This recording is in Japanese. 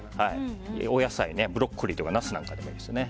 お野菜、ブロッコリーとかナスなんかでもいいです。